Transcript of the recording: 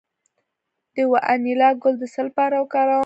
د وانیلا ګل د څه لپاره وکاروم؟